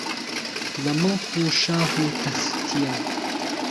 لە مڵک و شاە و تەختییە